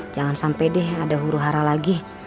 jangan sampai deh ada huru hara lagi